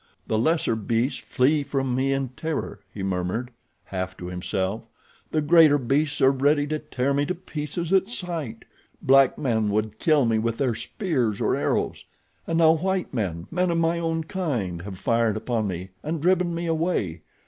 "The lesser beasts flee from me in terror," he murmured, half to himself, "the greater beasts are ready to tear me to pieces at sight. Black men would kill me with their spears or arrows. And now white men, men of my own kind, have fired upon me and driven me away.